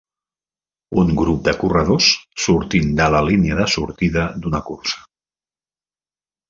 Un grup de corredors sortint de la línia de sortida d'una cursa.